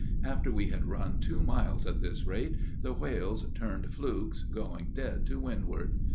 After we had run two miles at this rate, the whales turned flukes, going dead to windward.